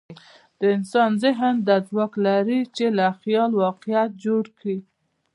د انسان ذهن دا ځواک لري، چې له خیال واقعیت جوړ کړي.